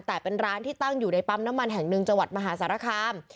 แต่เป็นร้านที่ตั้งอยู่ในปั๊มน้ำมันแห่งหนึ่งจังหวัดมหาสารคาม